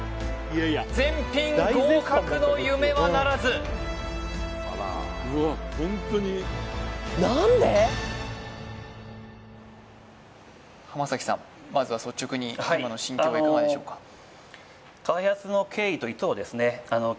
全品合格の夢はならず濱崎さんまずは率直にはい今の心境はいかがでしょうかつもりです